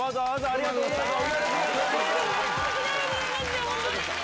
ありがとうございます。